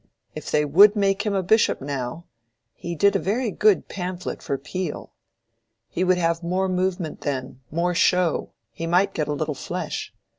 If they would make him a bishop, now!—he did a very good pamphlet for Peel. He would have more movement then, more show; he might get a little flesh.